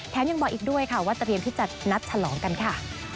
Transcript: ยังบอกอีกด้วยค่ะว่าเตรียมที่จะนัดฉลองกันค่ะ